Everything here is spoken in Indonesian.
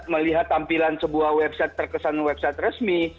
melihat tampilan sebuah website terkesan website resmi